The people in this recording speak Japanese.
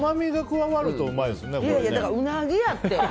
いやいや、だからウナギやって。